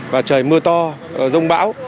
và trời mưa to giông bão